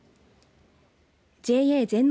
ＪＡ全農